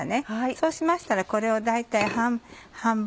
そうしましたらこれを大体半分。